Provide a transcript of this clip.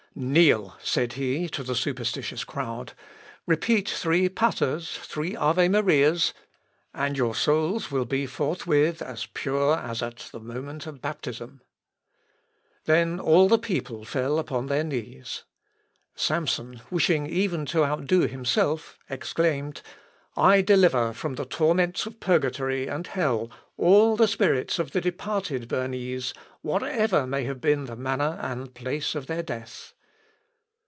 "Kneel," said he to the superstitious crowd, "repeat three Paters, three Ave Marias, and your souls will forthwith be as pure as at the moment of baptism." Then all the people fell upon their knees. Samson wishing even to outdo himself, exclaimed, "I deliver from the torments of purgatory and hell all the spirits of the departed Bernese, whatever may have been the manner and place of their death."